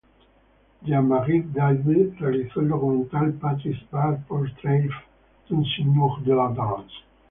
Jean Marie David realizó el documental "Patrice Bart: Portrait d'un Seigneur de la Dance".